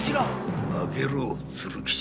開けろ鶴吉。